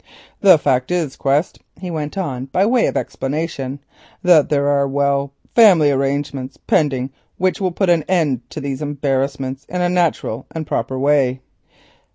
"The fact is, Quest," he went on by way of explanation, "that there are—well—family arrangements pending which will put an end to these embarrassments in a natural and a proper way."